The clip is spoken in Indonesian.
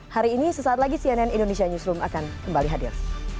hari ini sesaat lagi cnn indonesia newsroom akan kembali hadir